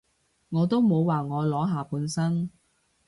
我都冇話我裸下半身